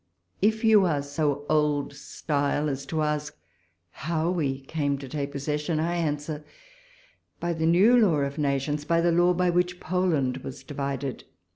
If you are so oUl styh: as to ask how we came to take possession, I answer, by the new law of nations ; by the law by which Poland was divided.